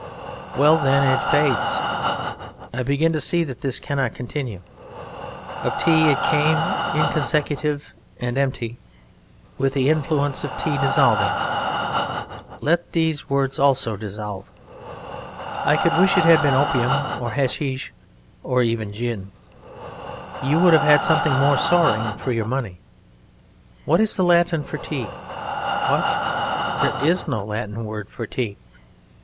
Well, then, it fades.... I begin to see that this cannot continue ... of Tea it came, inconsecutive and empty; with the influence of Tea dissolving, let these words also dissolve.... I could wish it had been Opium, or Haschisch, or even Gin; you would have had something more soaring for your money.... In vino Veritas. In Aqua satietas. In ... What is the Latin for Tea?